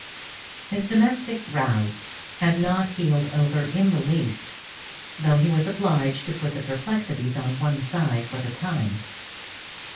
His domestic "rows" had not healed over in the least, though he was obliged to put the perplexities on one side for the time.